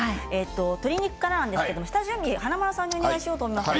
鶏肉からですが下準備華丸さんにお願いしようと思います。